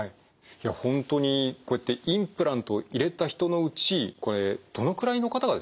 いやほんとにこうやってインプラントを入れた人のうちこれどのくらいの方がですね